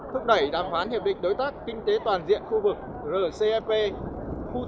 thúc đẩy đàm khoán hiệp định đối tác kinh tế toàn diện khu vực